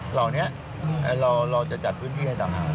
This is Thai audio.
เหล่านี้เราจะจัดพื้นที่ให้ต่างหาก